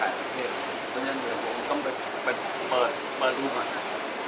สิ่งที่น่ากังวลที่สุดมีนะครับหมายถึงถ้าเราจะขยับไปที่ศรี